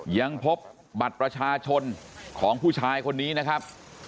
ยังพบบัตรประชาชนของผู้ชายคนนี้นะครับ